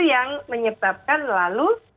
yang menyebabkan lalu